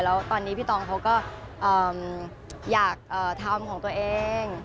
แล้วตอนนี้พี่ตองเขาก็อยากทำของตัวเอง